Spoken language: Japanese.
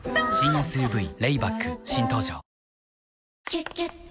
「キュキュット」